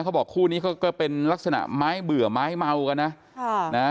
เขาบอกคู่นี้เขาก็เป็นลักษณะไม้เบื่อไม้เมากันนะค่ะนะ